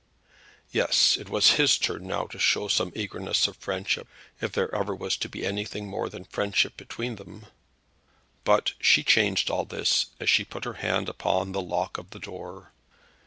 Yes; it was his turn now to show some eagerness of friendship, if there was ever to be anything more than friendship between them. But she changed all this as she put her hand upon the lock of the door.